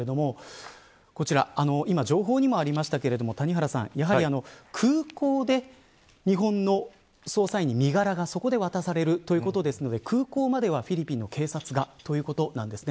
今、情報にもありましたが空港で日本の捜査員に身柄がそこで渡されるということですので空港まではフィリピンの警察がということなんですね。